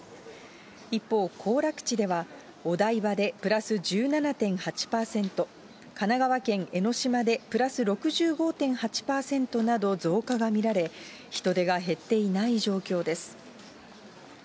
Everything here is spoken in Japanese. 一方、行楽地ではお台場でプラス１７．８％、神奈川県江の島でプラス６５．８％など増加が見られ、人出が減っていない状況です。